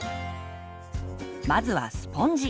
まずはスポンジ。